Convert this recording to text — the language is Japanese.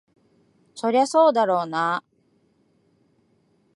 そりゃそうだろうな。